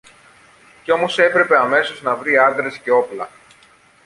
Και όμως έπρεπε αμέσως να βρει άντρες και όπλα!